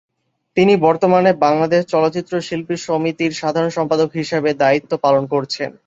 তিনি বর্তমানে বাংলাদেশ চলচ্চিত্র শিল্পী সমিতির সাধারণ সম্পাদক হিসাবে দায়িত্ব পালন করছেন।